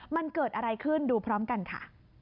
มันเกิดอะไรขึ้นดูพร้อมกันค่ะ